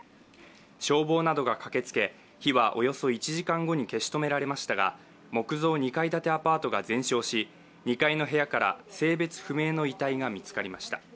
消防などが駆けつけ火はおよそ１時間後に消し止められましたが木造２階建てアパートが全焼し２階の部屋から性別不明の遺体が見つかりました。